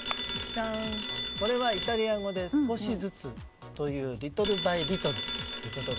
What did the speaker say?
これはイタリア語で少しずつという英語でリトルバイリトル。